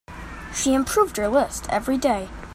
She improved her list every day.